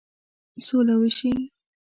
سوله وشي.